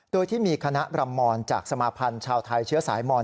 โดยที่มีคณะรำมอนจากสมาพันธ์ชาวไทยเชื้อสายมอน